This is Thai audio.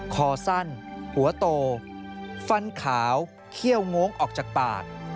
คอสั้นหัวโตฟันขาวเขี้ยวงออกจากปาก